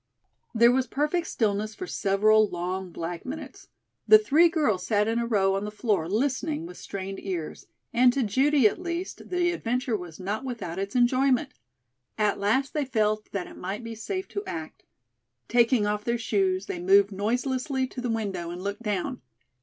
There was perfect stillness for several long black minutes. The three girls sat in a row on the floor listening with strained ears and to Judy at least the adventure was not without its enjoyment. At last they felt that it might be safe to act. Taking off their shoes they moved noiselessly to the window and looked down.